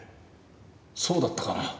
そうだったかな？